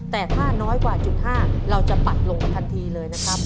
แต่ถ้าน้อยกว่าจุด๕เราจะปัดลงทันทีเลยนะครับ